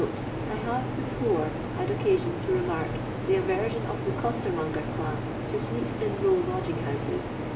[I have before had occaiion to remark the arertion of the coster monger class to sleep in low lodging houses.